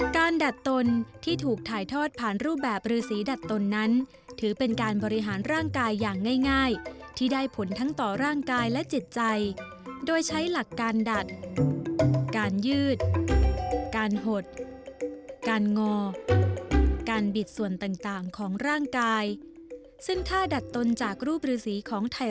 ดัดตนที่ถูกถ่ายทอดผ่านรูปแบบฤษีดัดตนนั้นถือเป็นการบริหารร่างกายอย่างง่ายที่ได้ผลทั้งต่อร่างกายและจิตใจโดยใช้หลักการดัดการยืดการหดการงอการบิดส่วนต่างของร่างกายซึ่งถ้าดัดตนจากรูปฤษีของไทย